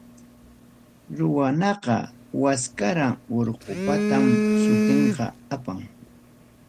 Ruwanaqa, Waskarán urqupatam sutinta apan.